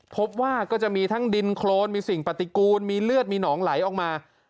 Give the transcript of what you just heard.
พบว่าก็จะมีทั้งดินโครนมีสิ่งปฏิกูลมีเลือดมีหนองไหลออกมา